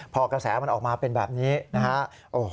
พอกระแสมันออกมาเป็นแบบนี้นะฮะ